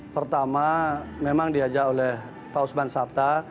pertama memang diajak oleh pak usman sabta